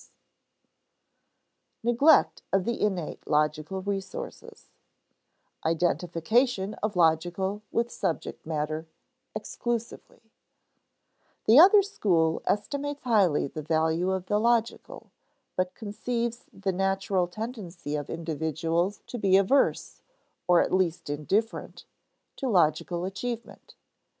[Sidenote: Neglect of the innate logical resources] [Sidenote: Identification of logical with subject matter, exclusively] The other school estimates highly the value of the logical, but conceives the natural tendency of individuals to be averse, or at least indifferent, to logical achievement.